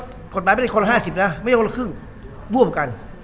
ไม่ใช่ห้าสิบกฎหมายไม่ใช่คนละห้าสิบนะไม่ใช่คนละครึ่งร่วมกัน